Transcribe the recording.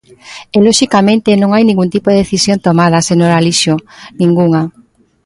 E, loxicamente, non hai ningún tipo de decisión tomada, señor Alixo, ningunha.